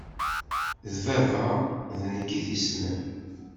D baba d nekk i t-yessnen.